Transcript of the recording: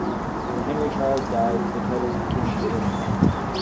When Henry Charles died, the titles became extinct.